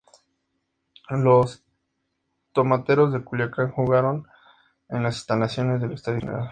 Los Tomateros de Culiacán jugaron en las instalaciones del estadio Gral.